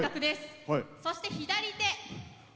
そして、左手。